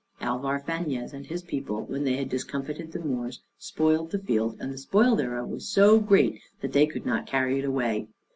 Alvar Fañez and his people, when they had discomfited the Moors, spoiled the field, and the spoil thereof was so great that they could not carry it away.